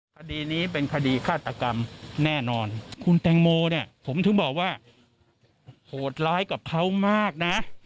คดีนี้เป็นคดีฆาตกรรมแน่นอนคุณแตงโมเนี่ยผมถึงบอกว่าโหดร้ายกับเขามากนะ